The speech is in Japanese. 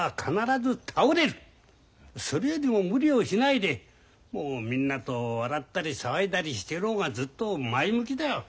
それよりも無理をしないでみんなと笑ったり騒いだりしてる方がずっと前向きだ。